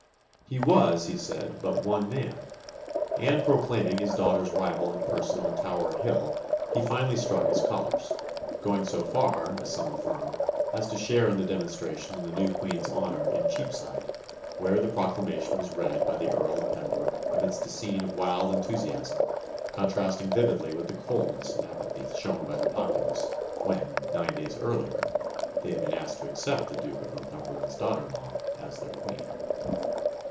He was, he said, but one man; and proclaiming his daughter's rival in person on Tower Hill, he finally struck his colours; going so far, as some affirm, as to share in the demonstration in the new Queen's honour in Cheapside, where the proclamation was read by the Earl of Pembroke amidst a scene of wild enthusiasm contrasting vividly with the coldness and apathy shown by the populace when, nine days earlier, they had been asked to accept the Duke of Northumberland's daughter in law as their Queen.